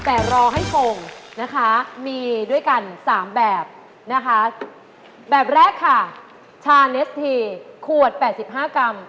แต่รอให้ชงนะคะมีด้วยกันสามแบบนะคะแบบแรกค่ะชาเนสทีขวดแปดสิบห้ากรัม